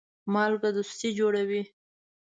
مالګه دوستي جوړوي.